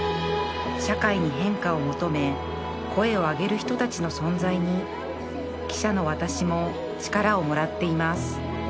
社会に変化を求め声を上げる人たちの存在に記者の私も力をもらっています